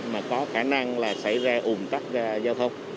mà có khả năng là xảy ra ủn tắc giao thông